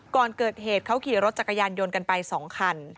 ก่อนเกิดเหตุเขาขี่รถจักรยานยนต์กันไป๒คัน